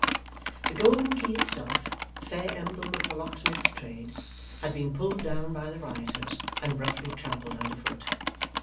The Golden Key itself, fair emblem of the locksmith's trade, had been pulled down by the rioters, and roughly trampled under foot.